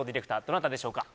どなたでしょうか？